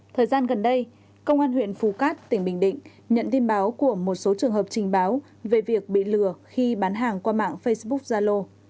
thời gian gần đây công an huyện phú cát tỉnh bình định nhận tin báo của một số trường hợp trình báo về việc bị lừa khi bán hàng qua mạng facebook zalo